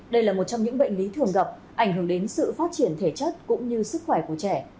đây là một trong những bệnh lý thường gặp ảnh hưởng đến sự phát triển thể chất cũng như sức khỏe của trẻ